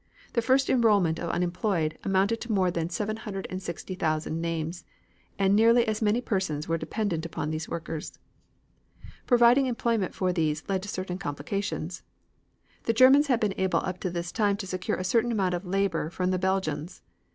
The first enrolment of unemployed amounted to more than 760,000 names, and nearly as many persons were dependent upon these workers. Providing employment for these led to certain complications. The Germans had been able up to this time to secure a certain amount of labor from the Belgians.